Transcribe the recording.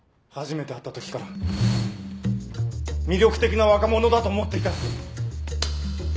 初めて会ったときから魅力的な若者だと思っていた。